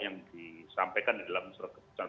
yang disampaikan di dalam surat keputusan